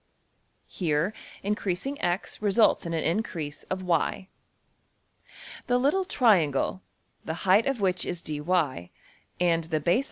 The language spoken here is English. Here, increasing~$x$ results in an increase of~$y$. The little triangle, the height of which is~$dy$, and the base \DPPageSep{023.